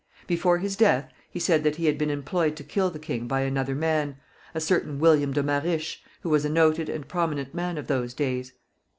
Before his death he said that he had been employed to kill the king by another man, a certain William de Marish, who was a noted and prominent man of those days.